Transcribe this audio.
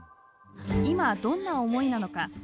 今、どんな思いなのか